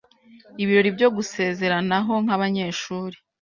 ibirori byo gusezeranaho nk’abanyeshuri